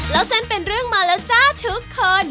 เราเสร็จเป็นเรื่องมาแล้วจ้ะทุกคน